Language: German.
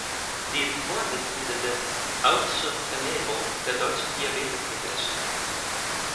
Sie ist Vorsitzende des "Ausschuss Ernährung" der Deutschen Diabetes Gesellschaft.